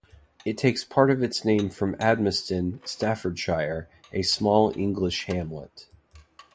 It takes part of its name from Admaston, Staffordshire, a small English hamlet.